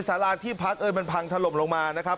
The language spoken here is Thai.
สาราที่พักเอ่ยมันพังถล่มลงมานะครับ